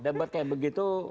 debat kayak begitu